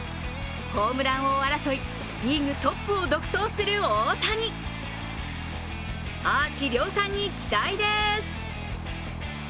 ホームラン王争いリーグトップを独走する大谷、アーチ量産に期待です。